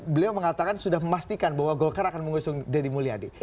beliau mengatakan sudah memastikan bahwa golkar akan mengusung deddy mulyadi